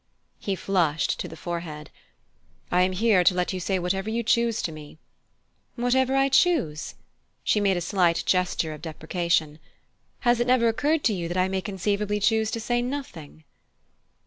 He flushed to the forehead. "I am here to let you say whatever you choose to me." "Whatever I choose?" She made a slight gesture of deprecation. "Has it never occurred to you that I may conceivably choose to say nothing?"